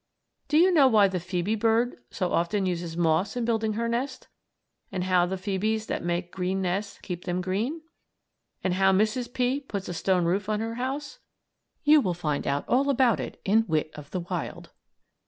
Do you know why the phoebe bird so often uses moss in building her nest? And how the phoebes that make green nests keep them green? And how Mrs. P. puts a stone roof on her house? You will find all about it in "Wit of the Wild."